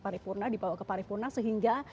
paripurna dibawa ke paripurna sehingga